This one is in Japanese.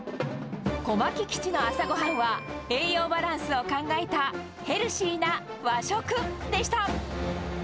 小牧基地の朝ごはんは、栄養バランスを考えたヘルシーな和食でした。